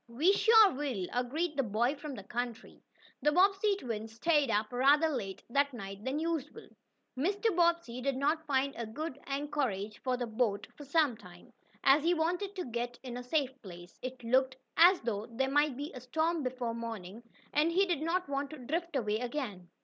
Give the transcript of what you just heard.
"We sure will," agreed the boy from the country. The Bobbsey twins stayed up rather later that night than usual. Mr. Bobbsey did not find a good anchorage for the boat for some time, as he wanted to get in a safe place. It looked as though there might be a storm before morning, and he did not want to drift away again.